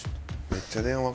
めっちゃ電話。